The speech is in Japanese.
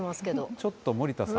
ちょっと森田さん？